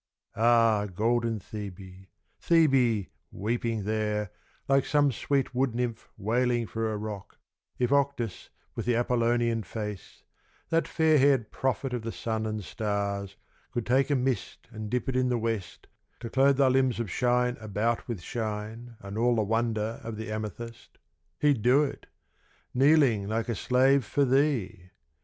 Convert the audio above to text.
Ah, golden Thebe Thebe, weeping there, Like some sweet wood nymph wailing for a rock, If Octis with the Apollonian face That fair haired prophet of the sun and stars Could take a mist and dip it in the West To clothe thy limbs of shine about with shine And all the wonder of the amethyst, He'd do it kneeling like a slave for thee!